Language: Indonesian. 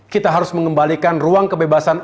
kita harus mengembalikan ruang kebebasan